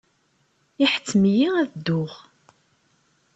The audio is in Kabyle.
Iḥettem-iyi ad dduɣ.